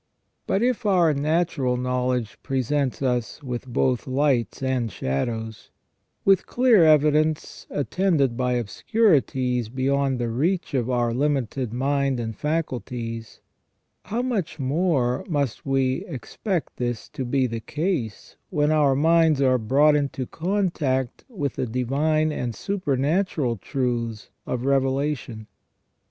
But if our natural knowledge presents us with both lights and shadows ; with clear evidence, attended by obscurities beyond the reach of our limited mind and faculties ; how much more must we expect this to be the case when our minds are brought into contact with the divine and supernatural truths of revelation.